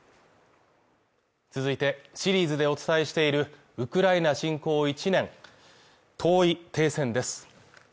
続いてシリーズでお伝えしている「ウクライナ侵攻１年遠い停戦」